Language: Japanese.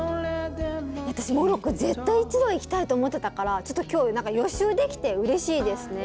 私モロッコ絶対一度は行きたいと思ってたからちょっと今日何か予習できてうれしいですね。